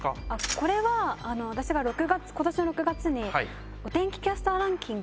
これは私が今年の６月に。